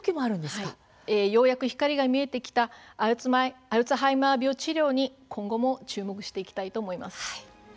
ようやく光が見えてきたアルツハイマー病治療に今後も注目していきたいと思います。